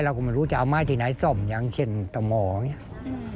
เราก็ไม่รู้จะเอาไม้ที่ไหนซ่อมอย่างเช่นตะหมออย่างนี้